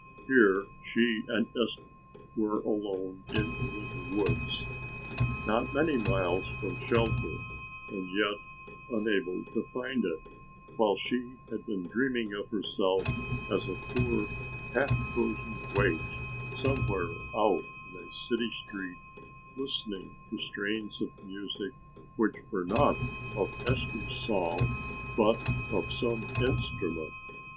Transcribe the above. Here she and Esther were alone in the winter woods not many miles from shelter and yet unable to find it, while she had been dreaming of herself as a poor half frozen waif somewhere out in a city street listening to strains of music, which were not of Esther's song but of some instrument.